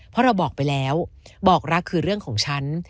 เพราะเราบอกไปแล้วบอกรักคือเรื่องของฉัน